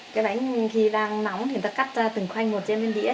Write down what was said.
cái bánh khi đang nóng thì ta cắt ra từng khoanh một trên một đĩa